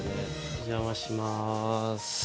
お邪魔します。